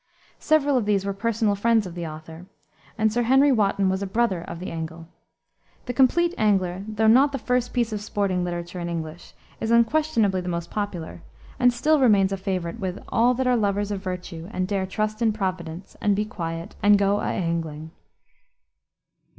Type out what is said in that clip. Several of these were personal friends of the author, and Sir Henry Wotton was a brother of the angle. The Compleat Angler, though not the first piece of sporting literature in English, is unquestionably the most popular, and still remains a favorite with "all that are lovers of virtue, and dare trust in providence, and be quiet, and go a angling."